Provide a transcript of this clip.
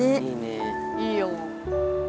いいよ。